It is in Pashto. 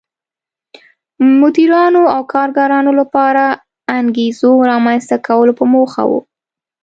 مدیرانو او کارګرانو لپاره انګېزو رامنځته کولو په موخه و.